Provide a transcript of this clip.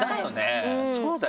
そうだよね。